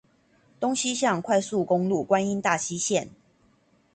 東西向快速公路觀音大溪線